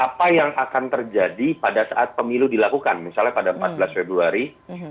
apa yang akan terjadi pada saat pemilu dilakukan misalnya pada empat belas februari dua ribu dua puluh